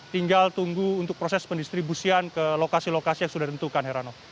tinggal tunggu untuk proses pendistribusian ke lokasi lokasi yang sudah ditentukan herano